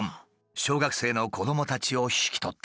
小学生の子どもたちを引き取った。